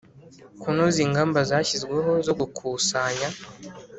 Kunoza ingamba zashyizweho zo gukusanya